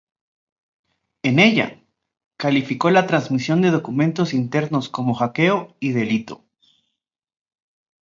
En ella, calificó la transmisión de documentos internos como hackeo y delito.